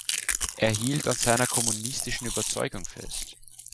Er hielt an seiner kommunistischen Überzeugung fest.